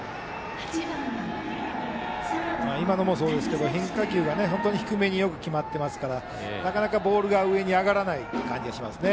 今のもそうですが変化球が本当に低めによく決まっていますからなかなかボールが上に上がらない感じがしますね。